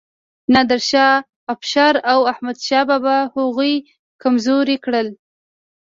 نادر شاه افشار او احمد شاه بابا هغوی کمزوري کړل.